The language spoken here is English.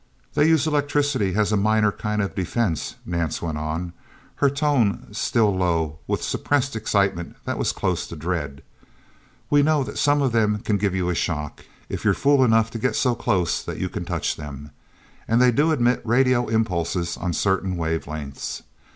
"They use electricity as a minor kind of defense," Nance went on, her tone still low with suppressed excitement that was close to dread. "We know that some of them can give you a shock if you're fool enough to get so close that you can touch them. And they do emit radio impulses on certain wavelengths.